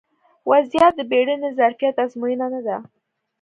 ا وضعیت د بیړني ظرفیت ازموینه نه ده